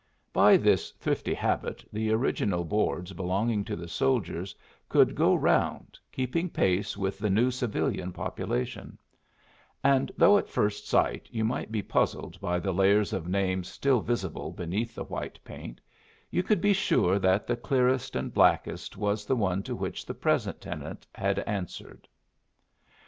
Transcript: By this thrifty habit the original boards belonging to the soldiers could go round, keeping pace with the new civilian population; and though at first sight you might be puzzled by the layers of names still visible beneath the white paint, you could be sure that the clearest and blackest was the one to which the present tenant had answered.